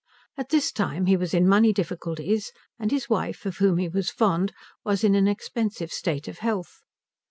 At this time he was in money difficulties and his wife, of whom he was fond, was in an expensive state of health.